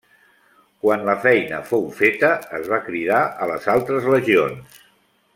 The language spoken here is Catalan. Quan la feina fou feta es va cridar a les altres legions.